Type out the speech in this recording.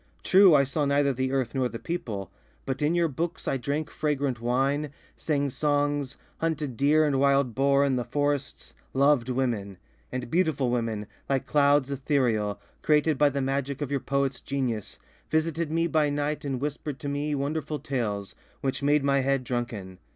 True, I saw neither the earth nor the people, but in your books I drank fragrant wine, sang songs, hunted deer and wild boar in the forests, loved women... And beautiful women, like clouds ethereal, created by the magic of your poets' genius, visited me by night and whispered to me wonderful tales, which made my head drunken.